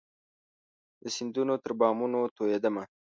د سیندونو پر بامونو توئيدمه